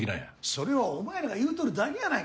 それはお前らが言うとるだけやないか。